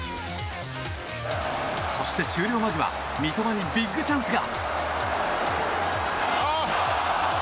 そして、終了間際三笘にビッグチャンスが。